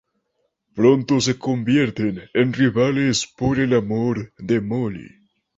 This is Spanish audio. Pronto se convierten en rivales por el amor de Molly.